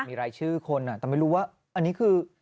มีรายชื่อคนแต่ไม่รู้ว่าอันนี้คือ